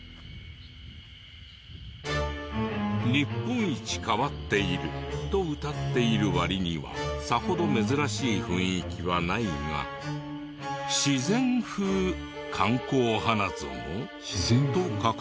「日本一変っている」とうたっている割にはさほど珍しい雰囲気はないが「自然風観光花園」と書かれている。